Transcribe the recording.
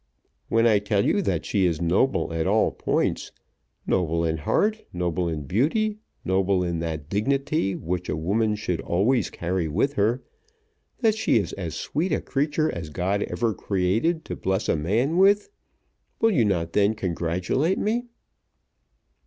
"When I tell you that she is noble at all points, noble in heart, noble in beauty, noble in that dignity which a woman should always carry with her, that she is as sweet a creature as God ever created to bless a man with, will you not then congratulate me?"